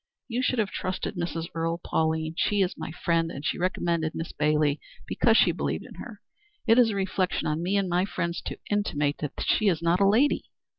You should have trusted Mrs. Earle, Pauline, She is my friend, and she recommended Miss Bailey because she believed in her. It is a reflection on me and my friends to intimate that she is not a lady."